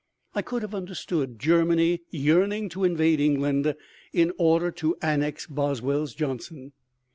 I could have understood Germany yearning to invade England in order to annex Boswell's Johnson.